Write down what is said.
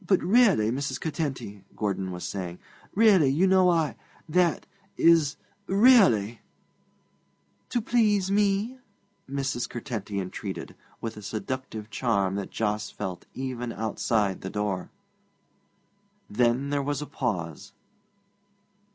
'But, really, Mrs. Curtenty,' Gordon was saying 'really, you know I that is really ' 'To please me!' Mrs. Curtenty entreated, with a seductive charm that Jos felt even outside the door. Then there was a pause.